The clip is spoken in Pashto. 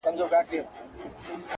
مطلب تنهایي بي وسې بي کیسي